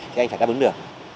thì anh phải đáp ứng được